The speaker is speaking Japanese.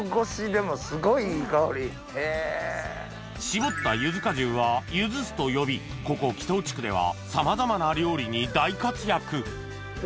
しぼったゆず果汁は「ゆず酢」と呼びここ木頭地区ではさまざまな料理に大活躍